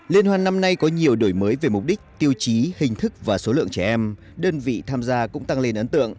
liên hoan năm nay có nhiều đổi mới về mục đích tiêu chí hình thức và số lượng trẻ em đơn vị tham gia cũng tăng lên ấn tượng